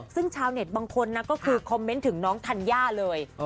ซึ่งชาวเน็ตบางคนนะก็คือคอมเมนต์ถึงน้องธัญญาเลย